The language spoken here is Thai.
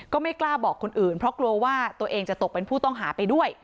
ก็ไม่กล้าบอกคนอื่นเพราะกลัวว่าตัวเองจะตกเป็นผู้ต้องหาไปด้วย